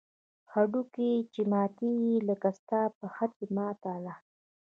هډوکى چې ماتېږي لکه ستا پښه چې ماته ده.